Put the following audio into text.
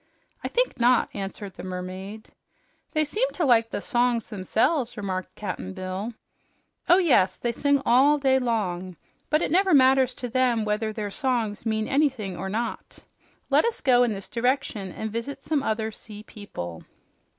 "I think not," answered the mermaid. "They seem to like the songs themselves," remarked Cap'n Bill. "Oh yes, they sing all day long. But it never matters to them whether their songs mean anything or not. Let us go in this direction and visit some other sea people."